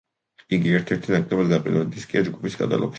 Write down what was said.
იგი ერთ-ერთი ნაკლებად გაყიდვადი დისკია ჯგუფის კატალოგში.